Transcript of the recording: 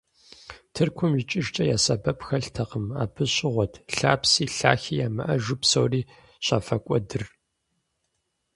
Тыркум икӀыжкӀи я сэбэп хэлътэкъым, абы щыгъуэт лъапси лъахи ямыӀэжу псори щафӀэкӀуэдыр.